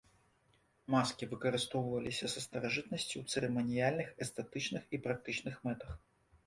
Маскі выкарыстоўваліся са старажытнасці ў цырыманіяльных, эстэтычных, і практычных мэтах.